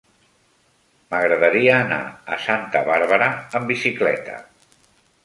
M'agradaria anar a Santa Bàrbara amb bicicleta.